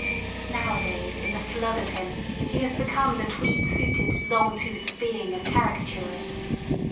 Nowadays in the flood of him he has become the tweed suited, long toothed being of caricatures.